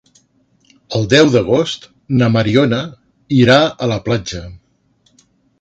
El deu d'agost na Mariona irà a la platja.